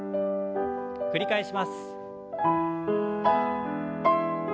繰り返します。